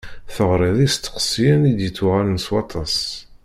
Teɣriḍ isteqsiyen i d-yettuɣalen s waṭas.